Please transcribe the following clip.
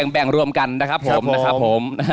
ก็แบ่งรวมกันนะครับผม